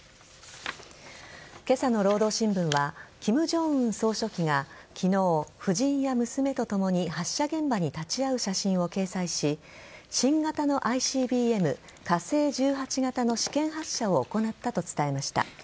今朝の労働新聞は金正恩総書記が昨日夫人や娘とともに発射現場に立ち会う写真を掲載し新型のＩＣＢＭ火星１８型の試験発射を行ったと伝えました。